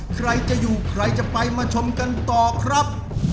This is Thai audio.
ใครจะอยู่ใครจะไปมาชมกันต่อครับ